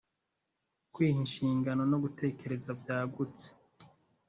kwiha inshingano no gutekereza byagutse